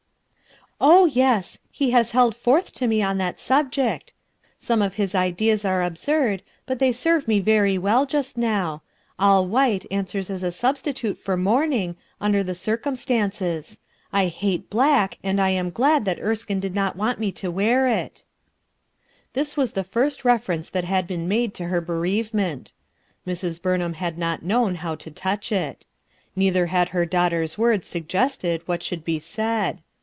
" Oh, yes, he has held forth to me on that sub ject* Sonic of faia ideas arc absurd, but they serve me very well just now. All white answers as a substitute for mourning, under the circutn stances, I hate black, and I am glad that Er skine did not want me to wear it," Tliis was the first reference that had been made to her bereavement, Mrs, Burnham had not known how to touch it. Neither bar I her daughter's words suggested what should bo said.